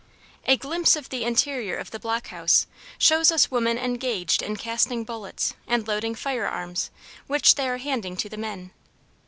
A glimpse of the interior of the block house shows us women engaged in casting bullets and loading fire arms which they are handing to the men.